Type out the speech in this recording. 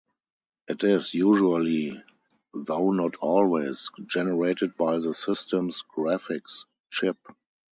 It is usually, though not always, generated by the system's graphics chip.